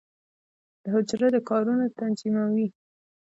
د حجره د کارونو تنظیموي.